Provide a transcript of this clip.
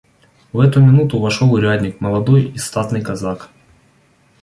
В эту минуту вошел урядник, молодой и статный казак.